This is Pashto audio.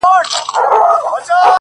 ځكه انجوني وايي له خالو سره راوتي يــو؛